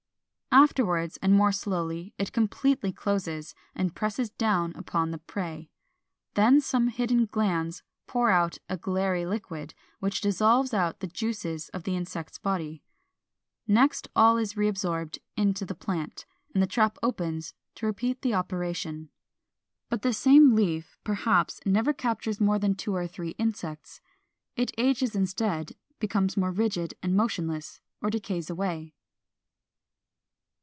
Afterwards and more slowly it completely closes, and presses down upon the prey; then some hidden glands pour out a glairy liquid, which dissolves out the juices of the insect's body; next all is re absorbed into the plant, and the trap opens to repeat the operation. But the same leaf perhaps never captures more than two or three insects. It ages instead, becomes more rigid and motionless, or decays away.